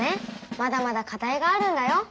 まだまだ課題があるんだよ。